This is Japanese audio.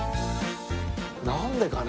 なんでかね？